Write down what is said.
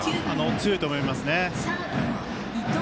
強いと思います。